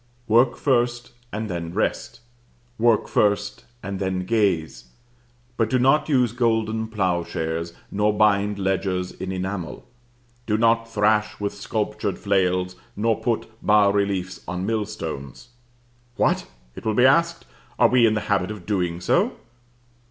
Work first, and then rest. Work first and then gaze, but do not use golden ploughshares, nor bind ledgers in enamel. Do not thrash with sculptured flails: nor put bas reliefs on millstones. What! it will be asked, are we in the habit of doing so?